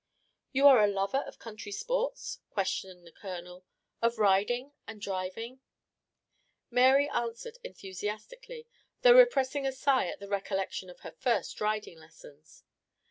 "You are a lover of country sports?" questioned the Colonel; "of riding and driving?" Mary answered enthusiastically, though repressing a sigh at the recollection of her first riding lessons.